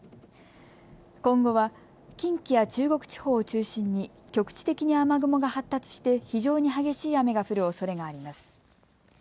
今後は近畿や中国地方を中心に局地的に雨雲が発達して非常に激しい雨が降るおそれがあります。